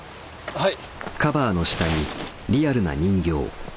はい。